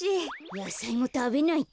やさいもたべないと。